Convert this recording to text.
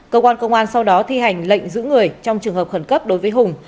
cơ quan công an sau đó thi hành lệnh giữ người trong trường hợp khẩn cấp đối với hùng